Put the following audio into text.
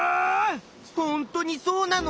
ほんとにそうなの？